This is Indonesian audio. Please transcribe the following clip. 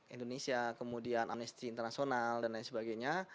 indonesia kemudian amnesty international dan lain sebagainya